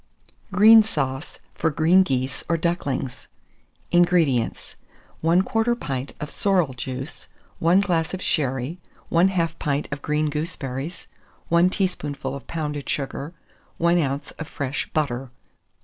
GREEN SAUCE FOR GREEN GEESE OR DUCKLINGS. 431. INGREDIENTS. 1/4 pint of sorrel juice, 1 glass of sherry, 1/2 pint of green gooseberries, 1 teaspoonful of pounded sugar, 1 oz. of fresh butter.